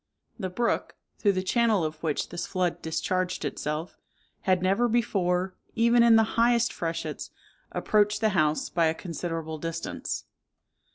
The brook, through the channel of which this flood discharged itself, had never before, even in the highest freshets, approached the house by a considerable distance.